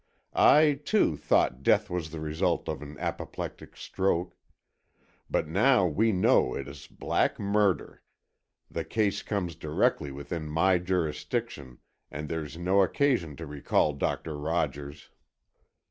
I, too, thought death was the result of an apoplectic stroke. But now we know it is black murder, the case comes directly within my jurisdiction, and there's no occasion to recall Doctor Rogers."